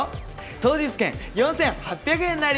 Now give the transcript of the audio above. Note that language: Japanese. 当日券４８００円なり。